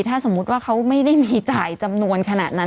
ถ้าสมมุติว่าเขาไม่ได้มีจ่ายจำนวนขนาดนั้น